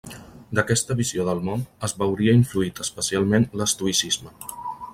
D'aquesta visió del món, es veuria influït especialment l'estoïcisme.